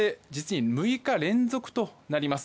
これで実に６日連続となります。